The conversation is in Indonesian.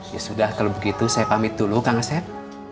ya sudah kalau begitu saya pamit dulu kang asep